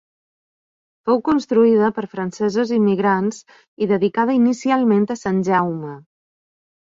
Fou construïda per francesos immigrats i dedicada inicialment a Sant Jaume.